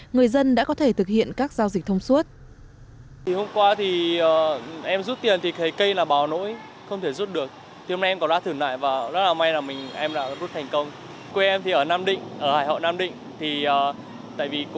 người dân đã có thể tìm hiểu về các giao dịch khác